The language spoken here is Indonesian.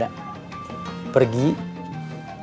untuk cara membersihkan diri kita